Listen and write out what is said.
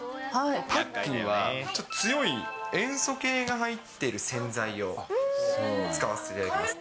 パッキンはちょっと強い塩素系が入ってる洗剤を使わせていただきます。